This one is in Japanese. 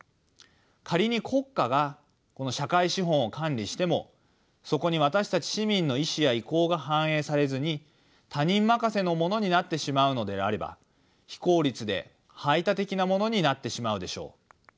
仮に国家がこの社会資本を管理してもそこに私たち市民の意志や意向が反映されずに他人任せのものになってしまうのであれば非効率で排他的なものになってしまうでしょう。